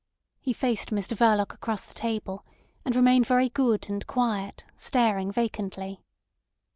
He faced Mr Verloc across the table, and remained very good and quiet, staring vacantly.